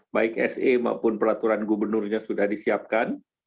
baik se maupun peraturan gubernurnya sudah disiapkan